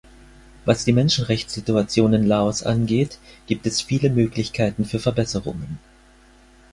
Was die Menschenrechtssituation in Laos angeht, gibt es viele Möglichkeiten für Verbesserungen.